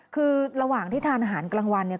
คือระหว่างที่ทานอาหารกลางวันเนี่ย